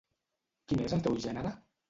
Quin és el teu gènere?